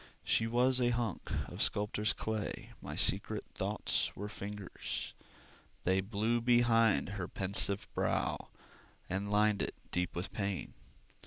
She was a hunk of sculptor's clay, My secret thoughts were fingers: They flew behind her pensive brow And lined it deep with pain.